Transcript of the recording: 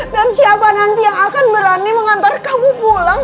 dan siapa nanti yang akan berani mengantar kamu pulang